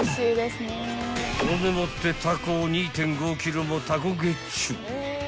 ［ほんでもってタコを２．５ｋｇもタコゲッチュ］